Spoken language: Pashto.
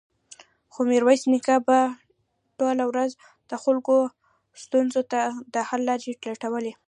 خو ميرويس نيکه به ټوله ورځ د خلکو ستونزو ته د حل لارې لټولې.